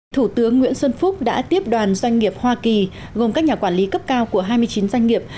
thủ tướng nguyễn xuân phúc đã tiếp đoàn doanh nghiệp hoa kỳ gồm các nhà quản lý cấp cao của hai mươi chín doanh nghiệp